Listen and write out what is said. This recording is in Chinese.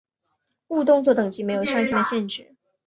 误动作等级没有上限的限制。